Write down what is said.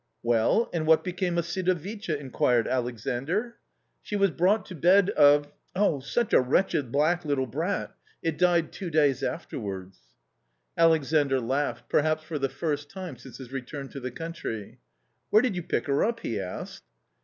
"Well, and what became of Sidovicha?" inquired Alexandr. '• She was brought to bed of .... oh, such a wretched black little brat ! it died two days afterwards." Alexandr laughed, perhaps for the first time since his return to the country. "Where did you pick her up? " he asked.